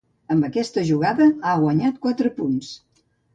Amb aquesta jugada ha guanyat quatre punts.